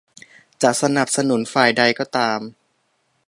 จะสนับสนุนฝ่ายใดก็ตาม